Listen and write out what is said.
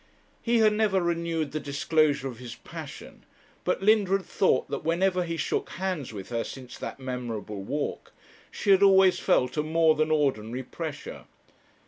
He had never renewed the disclosure of his passion; but Linda had thought that whenever he shook hands with her since that memorable walk, she had always felt a more than ordinary pressure.